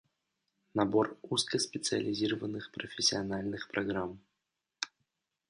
Набор узкоспециализированных профессиональных программ